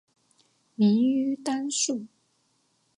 明于丹术。